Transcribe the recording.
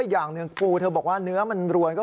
อย่างกลูที่บอกว่าเนื้อมันรวน